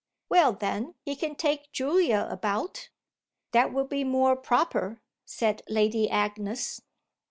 "Well then he can take Julia about. That will be more proper," said Lady Agnes.